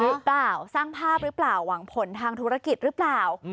หรือเปล่าสร้างภาพหรือเปล่าหวังผลทางธุรกิจหรือเปล่า